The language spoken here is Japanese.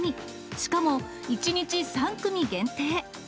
しかも、１日３組限定。